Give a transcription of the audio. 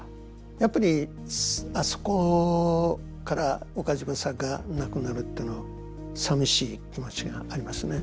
やっぱりあそこから岡島さんがなくなるってのはさみしい気持ちがありますね。